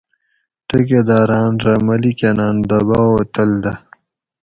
ٹیکیداۤراۤن رہ ملیکاۤناۤن دباؤ تل دہ